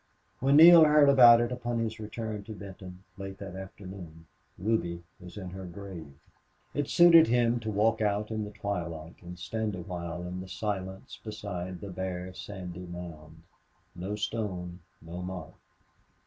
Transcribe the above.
When Neale heard about it, upon his return to Benton, late that afternoon, Ruby was in her grave. It suited him to walk out in the twilight and stand awhile in the silence beside the bare sandy mound. No stone no mark.